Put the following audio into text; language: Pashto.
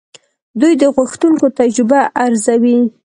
دوی د غوښتونکو تجربه ارزوي.